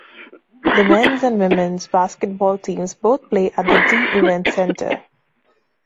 The men's and women's basketball teams both play at the Dee Events Center.